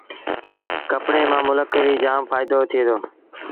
ڪپڙي مآݩ ملڪ کي جآم ڦآئيٚدو ٿئي دو